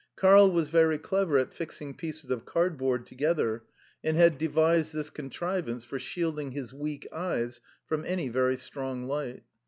Karl was very clever at fixing pieces of cardboard together, and had devised this contrivance for shielding his weak eyes from any very strong light.